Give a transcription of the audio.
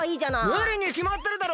むりにきまってるだろ！